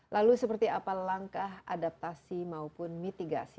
lalu seperti apa langkah adaptasi maupun mitigasi